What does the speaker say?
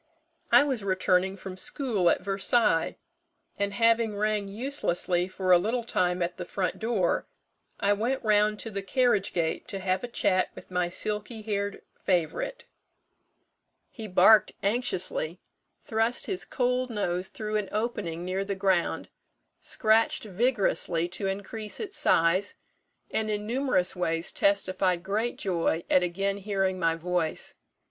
I was returning from school at Versailles; and having rang uselessly for a little time at the front door, I went round to the carriage gate to have a chat with my silky haired favourite. He barked anxiously, thrust his cold nose through an opening near the ground, scratched vigorously to increase its size, and in numerous ways testified great joy at again hearing my voice.